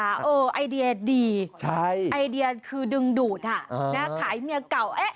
เออไอเดียดีไอเดียคือดึงดูดนะครับขายเมียเก่า